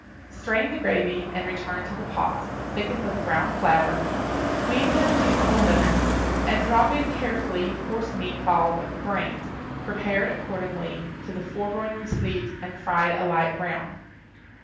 Strain the gravy and return to the pot, thicken with brown flour, squeeze in the juice of a lemon, and drop in carefully force meat balls of the brains, prepared according to the foregoing receipt and fried a light brown.